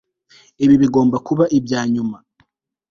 Ibi bigomba kuba ibya nyuma